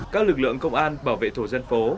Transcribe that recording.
các lực lượng công an bảo vệ thổ dân phố